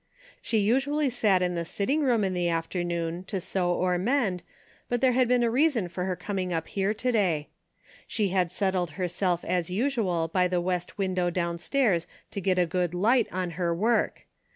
She usually sat in the sitting room in the afternoon to sew or mend, but there had been a reason for her coming up here to day. She had set tled herself as usual by the west window down stairs to get a good light on her work.